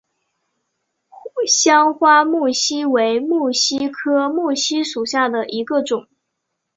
香花木犀为木犀科木犀属下的一个种。